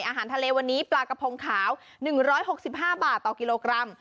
อาหารทะเลวันนี้ปลากระพงขาว๑๖๕บาทต่อกิโลกรัม